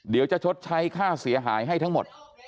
เดี๋ยวจะชดใช้ค่าเสียหายให้ทั้งหมด